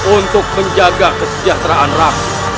untuk menjaga kesejahteraan rakyat